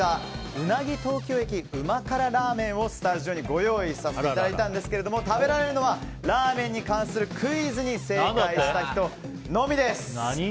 うなぎ東京駅旨辛らー麺をスタジオにご用意させていただいたんですが食べられるのはラーメンに関するクイズに正解した人のみです。